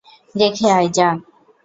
রেখে আই যা।